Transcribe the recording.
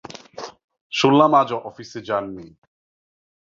শুনলাম আজ অফিসে যান নি।